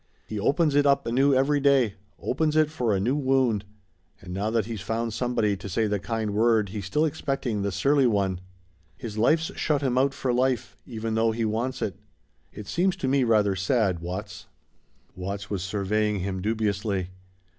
He opens it up anew every day opens it for a new wound. And now that he's found somebody to say the kind word he's still expecting the surly one. His life's shut him out from life even though he wants it. It seems to me rather sad, Watts." Watts was surveying him dubiously.